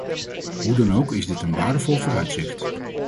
Hoe dan ook is dit een waardevol vooruitzicht.